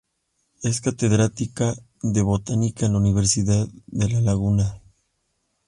Es catedrática de Botánica en la Universidad de La Laguna.